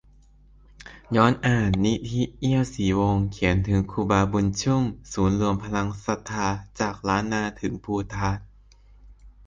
ย้อนอ่าน 'นิธิ เอียวศรีวงศ์' เขียนถึง 'ครูบาบุญชุ่ม' ศูนย์รวมพลังศรัทธาจากล้านนาถึงภูฏาน